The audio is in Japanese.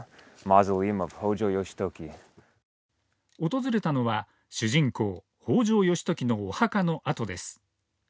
訪れたのは主人公・北条義時のお墓の跡です。